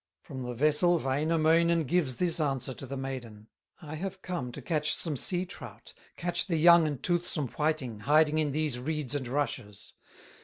From the vessel Wainamoinen Gives this answer to the maiden: "I have come to catch some sea trout, Catch the young and toothsome whiting, Hiding in these reeds and rushes."